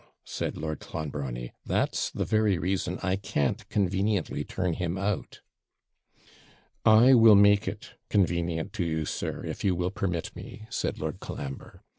said Lord Clonbrony; that's the very reason I can't conveniently turn him out.' 'I will make it convenient to you, sir, if you will permit me,' said Lord Colambre.